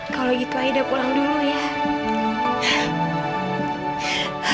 kalau gitu aida pulang dulu ya